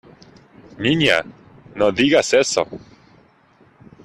¡ niña, no digas eso!...